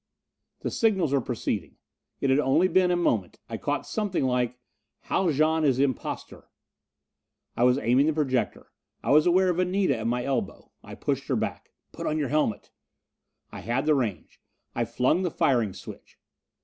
The signals were proceeding. It had only been a moment. I caught something like, "Haljan is impostor." I was aiming the projector. I was aware of Anita at my elbow. I pushed her back. "Put on your helmet!" I had the range. I flung the firing switch.